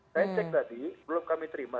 saya cek tadi belum kami terima